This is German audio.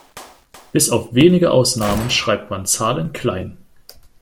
Bis auf wenige Ausnahmen schreibt man Zahlen klein.